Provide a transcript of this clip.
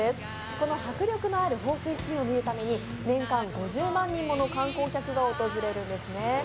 この迫力のある放水シーンを見るために年間５０万人もの観光客が訪れるんですね。